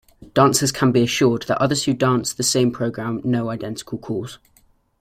Dancers can be assured that others who dance the same program know identical calls.